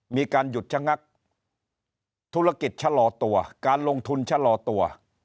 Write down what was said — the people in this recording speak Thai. มีการหยุดชะงักธุรกิจชะลอตัวการลงทุนชะลอตัว